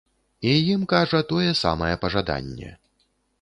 І ім кажа тое самае пажаданне.